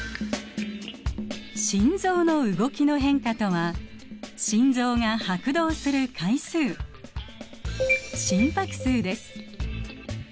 心臓の動きの変化とは心臓が拍動する回数心拍数です。